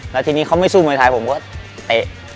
แล้วทีนี้เขาไม่สู้มวยไทยผมก็เตะ